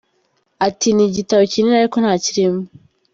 Ati "ni igitabo kinini ariko nta kirimo.